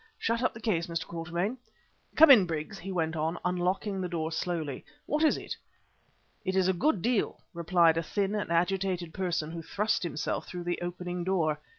Shut up the case, Mr. Quatermain. Come in, Briggs," he went on, unlocking the door slowly. "What is it?" "It is a good deal," replied a thin and agitated person who thrust himself through the opening door.